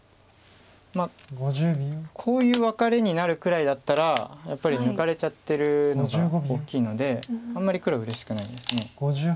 こういうワカレになるくらいだったらやっぱり抜かれちゃってるのが大きいのであんまり黒うれしくないです。